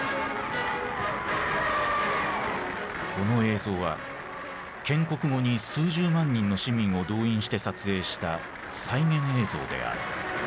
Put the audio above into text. この映像は建国後に数十万人の市民を動員して撮影した再現映像である。